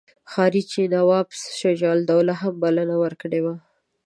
ښکاري چې نواب شجاع الدوله هم بلنه ورکړې وه.